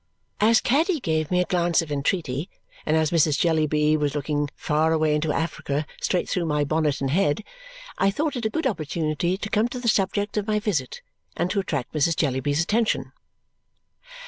As Caddy gave me a glance of entreaty, and as Mrs. Jellyby was looking far away into Africa straight through my bonnet and head, I thought it a good opportunity to come to the subject of my visit and to attract Mrs. Jellyby's attention.